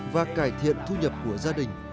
và cải thiện thu nhập của gia đình